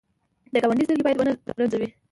د ګاونډي سترګې باید ونه رنځوې